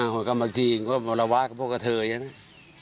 โหยกำลังจริงก็มาระวาดกับพวกเธออย่างนั้น